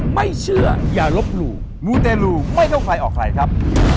ไม่เชื่ออย่ารบหลู่มูเตรลูไม่ต้องฝ่ายออกไหลครับ